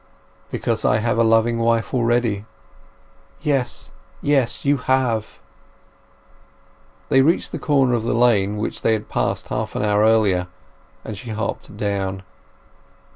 "Because I have a loving wife already." "Yes, yes! You have!" They reached the corner of the lane which they had passed half an hour earlier, and she hopped down.